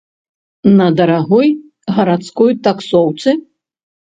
На дарагой гарадской таксоўцы?